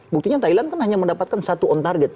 buktinya thailand kan hanya mendapatkan satu on target